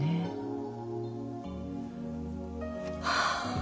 はあ。